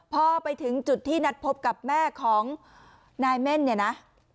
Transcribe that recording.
พอไปถึงจุดที่นัดพบกับแม่ของนายเม่นเนี่ยนะ